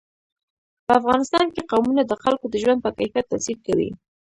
په افغانستان کې قومونه د خلکو د ژوند په کیفیت تاثیر کوي.